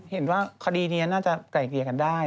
เห็นว่าคดีนี้น่าจะไกลเกลี่ยกันได้